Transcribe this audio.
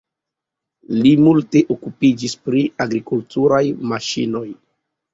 Li multe okupiĝis pri agrikulturaj maŝinoj.